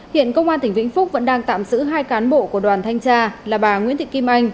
hiện công an tỉnh vĩnh phúc vẫn đang tạm giữ hai cán bộ của đoàn thanh tra là bà nguyễn thị kim anh